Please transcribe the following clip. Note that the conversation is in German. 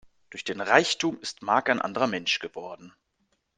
Durch den Reichtum ist Mark ein anderer Mensch geworden.